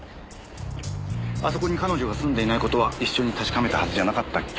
あそこに彼女が住んでいない事は一緒に確かめたはずじゃなかったっけ？